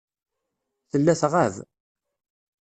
Tella tɣab.